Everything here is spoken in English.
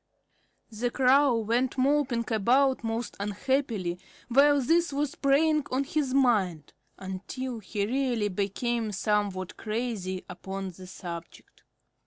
The Crow went moping about most unhappily while this was preying on his mind, until he really became somewhat crazy upon the subject.